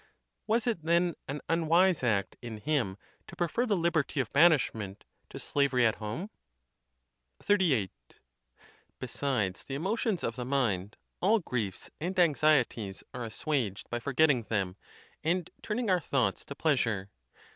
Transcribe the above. Was it, then, an unwise act in him to prefer the liberty of ban ishment to slavery at home? XXXVIII. Besides the emotions of the mind, all griefs WHETHER VIRTUE ALONE BE SUFFICIENT. 203 and anxieties are assuaged by forgetting them, and turn ing our thoughts to pleasure.